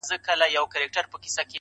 هم جواب دی هم مي سوال دی,